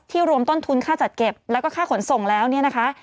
รวมต้นทุนค่าจัดเก็บแล้วก็ค่าขนส่งแล้วเนี่ยนะคะ